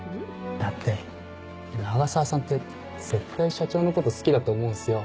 だって永沢さんって絶対社長のこと好きだと思うんすよ。